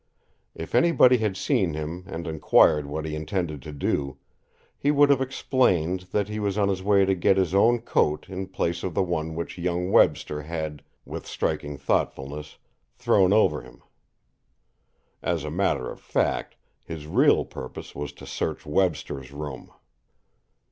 If anybody had seen him and inquired what he intended to do, he would have explained that he was on his way to get his own coat in place of the one which young Webster had, with striking thoughtfulness, thrown over him. As a matter of fact, his real purpose was to search Webster's room.